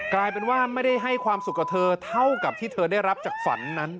กลายเป็นว่าไม่ได้ให้ความสุขกับเธอเท่ากับที่เธอได้รับจากฝันนั้น